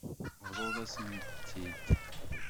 Bḍut-asen-tent-id.